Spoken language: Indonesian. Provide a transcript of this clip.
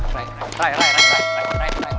rai rai rai rai rai rai rai